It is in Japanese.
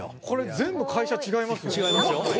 これ全部会社違いますよ。